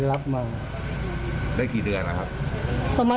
กลับมา